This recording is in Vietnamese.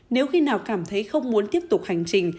nếu khi nào cảm thấy không muốn tiếp tục hành trình